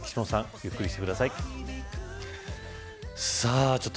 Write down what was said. ゆっくりしてください。